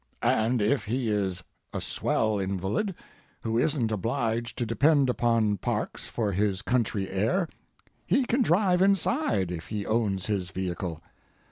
And if he is a swell invalid, who isn't obliged to depend upon parks for his country air, he can drive inside—if he owns his vehicle.